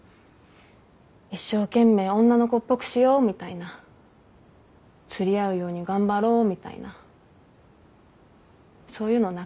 一生懸命女の子っぽくしようみたいな釣り合うように頑張ろうみたいなそういうのなくて。